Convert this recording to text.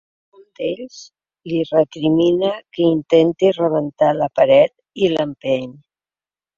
Un d’ells li recrimina que intenti rebentar la paret i l’empeny.